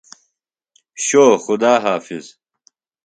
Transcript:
شو خدا حافظ۔